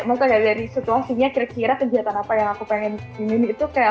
maksudnya dari situasinya kira kira kegiatan apa yang aku pengen itu kayak